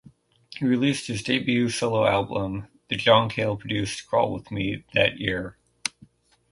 He released his debut solo album, the John Cale-produced "Crawl with Me", that year.